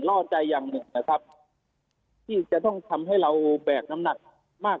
ล่อใจอย่างหนึ่งนะครับที่จะต้องทำให้เราแบกน้ำหนักมาก